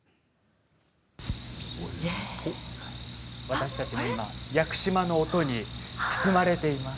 私たちも今屋久島の音に包まれています。